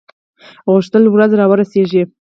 غوښتل ورځ را ورسیږي.